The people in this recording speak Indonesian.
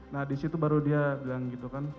nah di situ baru dia bilang gitu kan